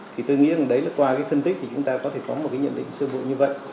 thì tôi nghĩ là đấy là qua cái phân tích thì chúng ta có thể có một cái nhận định sư vụ như vậy